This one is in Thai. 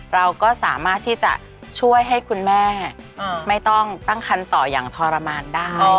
เราก็สามารถที่จะช่วยให้คุณแม่ไม่ต้องตั้งคันต่ออย่างทรมานได้